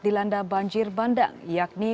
dilanda banjir bandang yakni